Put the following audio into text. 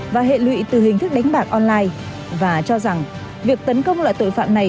và hệ lụy từ hình thức đánh bạc online và cho rằng việc tấn công loại tội phạm này